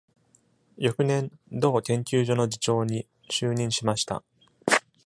翌年、同研究所の次長に就任しました。